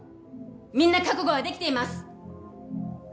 みんな覚悟はできています。